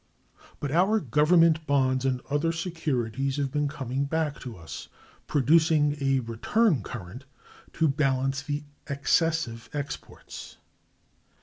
But our government bonds and other securities have been coming back to us, producing a return current to balance the excessive exports.